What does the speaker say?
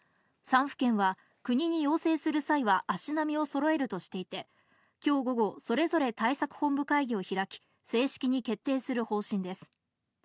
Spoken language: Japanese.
３府県は国に要請する際は足並みを揃えるとしていて今日午後、それぞれで対策本部会議を開き、正式に決定する方針です。